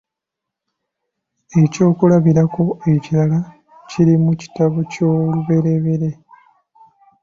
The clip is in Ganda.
Ekyokulabirako ekirala kiri mu kitabo kyo Olubereberye.